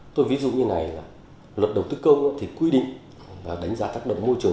tôi ví dụ như này là luật đầu tư công thì quy định là đánh giá tác động môi trường